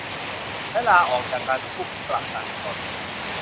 และลาออกจากการเป็นผู้ประกันตน